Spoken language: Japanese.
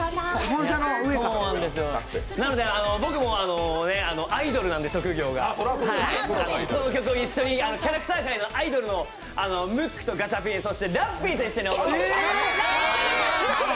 なので僕もアイドルなんで、職業が、この曲を一緒にキャラクター界のアイドルのムックとガチャピン、そしてラッピーと一緒に踊りたいと思います。